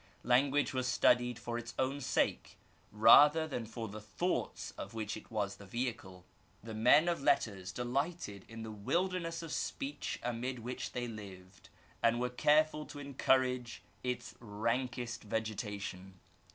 Language was studied for its own sake rather than for the thoughts of which it was the vehicle. The men of letters delighted in the wilderness of speech amid which they lived, and were careful to encourage its rankest vegetation.